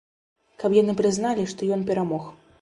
Каб яны прызналі, што ён перамог.